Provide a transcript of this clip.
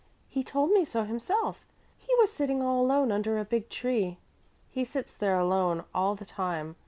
"He told me so himself. He was sitting all alone under a big tree. He sits there alone all the time.